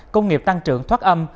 công nghiệp tăng trưởng thoát âm